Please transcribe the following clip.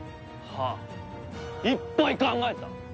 ああいっぱい考えた。